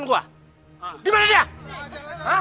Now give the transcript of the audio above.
jangan jangan jangan